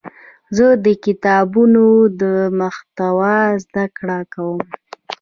زه د کتابونو د محتوا زده کړه کوم.